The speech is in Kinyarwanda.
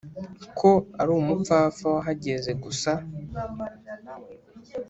ko ari umupfapfa wahageze gusa